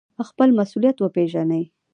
خپل مسوولیت وپیژنئ